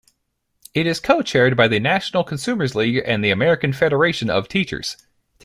It is co-chaired by the National Consumers League and the American Federation of Teachers.